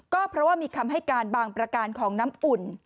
ก็เพราะว่ามีคำให้การบางประการของน้ำอุ่น